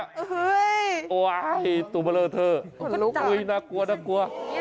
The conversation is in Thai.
เฮ้ยตู่มเล่าเธอนักกลัว